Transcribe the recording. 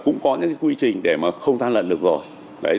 cũng có những cái quy trình để mà không gian lận được rồi